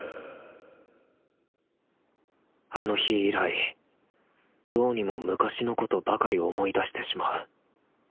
あの日以来どうにも昔のことばかり思い出してしまう。